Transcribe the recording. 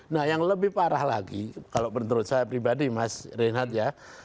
nah yang lebih parah lagi kalau menurut saya pribadi mas reinhardt ya